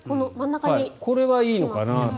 これはいいのかなと。